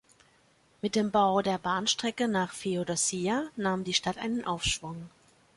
Mit dem Bau der Bahnstrecke nach Feodossija nahm die Stadt einen Aufschwung.